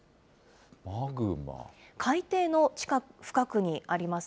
海底の地下深くにあります